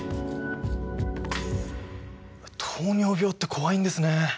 糖尿病って怖いんですね。